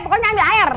pokoknya ambil air